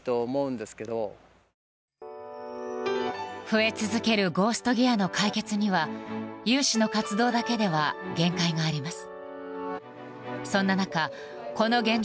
増え続けるゴースト・ギアの解決には有志の活動だけでは限界があります。